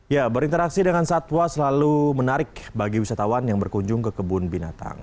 ya berinteraksi dengan satwa selalu menarik bagi wisatawan yang berkunjung ke kebun binatang